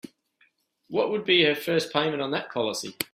What would be her first payment on that policy?